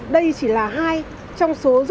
đây chỉ là hai trong số rất nhiều